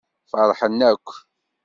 Feṛḥen akk.